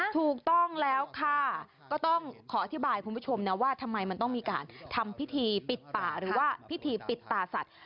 ถูกต้องแล้วค่ะก็ต้องขออธิบายคุณผู้ชมนะว่าทำไมมันต้องมีการทำพิธีปิดป่าหรือว่าพิธีปิดตาสัตว